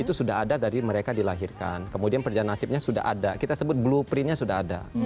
itu sudah ada dari mereka dilahirkan kemudian perjalanan nasibnya sudah ada kita sebut blueprintnya sudah ada